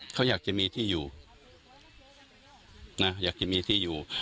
เขาอยากจะมีที่อยู่นะอยากจะมีที่อยู่